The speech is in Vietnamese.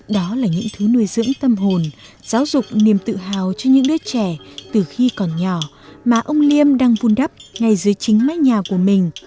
đó là những thứ nuôi dưỡng tâm hồn giáo dục niềm tự hào cho những đứa trẻ từ khi còn nhỏ mà ông liêm đang vun đắp ngay dưới chính mái nhà của mình